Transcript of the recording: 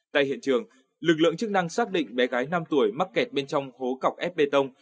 tại hiện trường lực lượng chức năng xác định bé gái năm tuổi mắc kẹt bên trong hố cọc ép bê tông